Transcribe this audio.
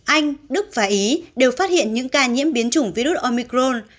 anh đức và ý đều phát hiện những ca nhiễm biến chủng virus omicron